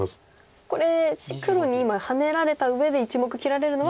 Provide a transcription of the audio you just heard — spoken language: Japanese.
これ黒に今ハネられたうえで１目切られるのは。